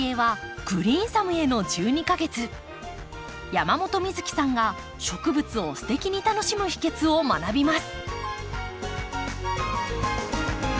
山本美月さんが植物をステキに楽しむ秘けつを学びます。